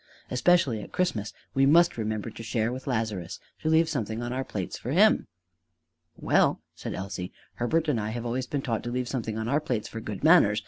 Especially at Christmas we must remember to share with Lazarus to leave something on our plates for him." "Well," said Elsie, "Herbert and I have always been taught to leave something on our plates for good manners.